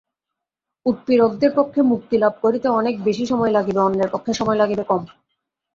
উৎপীড়কদের পক্ষে মুক্তিলাভ করিতে অনেক বেশী সময় লাগিবে, অন্যের পক্ষে সময় লাগিবে কম।